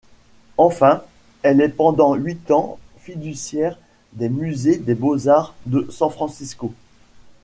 Enfin, elle est pendant huit ans fiduciaire des Musées des Beaux-arts de San Francisco.